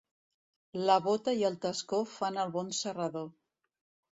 La bota i el tascó fan el bon serrador.